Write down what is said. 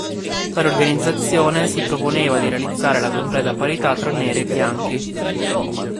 Tale organizzazione si proponeva di realizzare la completa parità tra neri e bianchi.